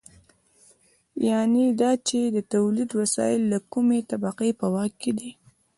یانې دا چې د تولید وسایل د کومې طبقې په واک کې دي.